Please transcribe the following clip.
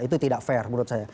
itu tidak fair menurut saya